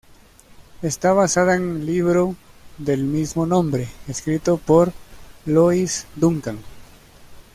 Está basada en el libro del mismo nombre, escrito por Lois Duncan.